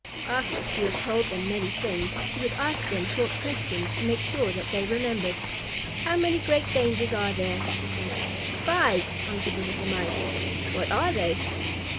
After she had told them many things, she would ask them short questions to make sure that they remembered. "How many great dangers are there?" she said. "Five," answered the little Mice. "What are they?"